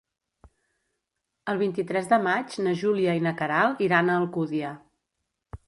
El vint-i-tres de maig na Júlia i na Queralt iran a Alcúdia.